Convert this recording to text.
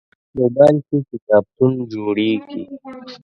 موبایل کې کتابتون جوړېږي.